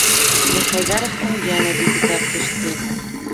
- Мирхәйҙәровтың йәнә бите тартышты.